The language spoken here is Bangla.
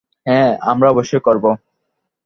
হ্যাঁ, আমরা অবশ্যই করব!